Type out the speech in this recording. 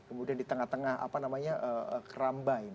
kemudian di tengah tengah apa namanya kerambai ini